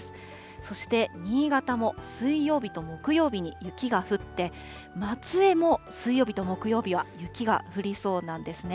そして、新潟も水曜日と木曜日に雪が降って、松江も水曜日と木曜日は雪が降りそうなんですね。